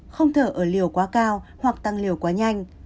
không thở ở liều quá cao hoặc tăng liều quá nhanh